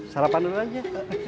sarapan dulu aja